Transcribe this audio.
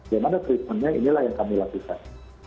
nah bagaimana treatmentnya inilah yang kami lapiskan